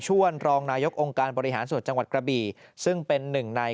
รองนายกองค์การบริหารส่วนจังหวัดกระบีซึ่งเป็นหนึ่งใน